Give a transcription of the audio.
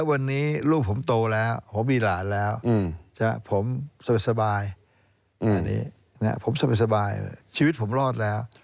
วันนี้ลูกผมโตแล้วผมมีหลานแล้วผมสบายชีวิตผมรอดแล้ว